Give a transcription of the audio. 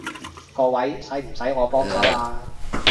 各位，使唔使我幫手啊？